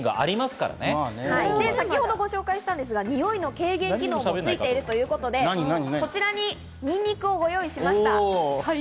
先ほどご紹介したんですが、ニオイの軽減機能もついているということで、こちらにニンニクをご用意しました。